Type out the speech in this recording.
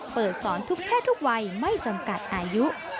เปิดสอนทุกเพศทุกวัยไม่จำกัดอายุ